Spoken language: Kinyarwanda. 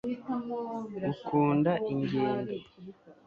ukunda ingendo